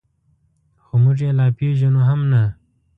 خو موږ یې لا پېژنو هم نه.